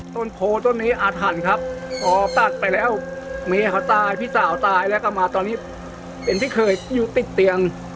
ต้นโพต้นนี้อาถรรพ์ครับพอตัดไปแล้วเมียเขาตายพี่สาวตายแล้วก็มาตอนนี้เป็นที่เคยอยู่ติดเตียง